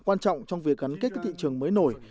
quan trọng trong việc gắn kết các thị trường mới nổi